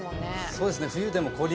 そうですね。